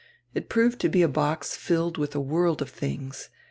It proved to be a box filled widi a world of tilings.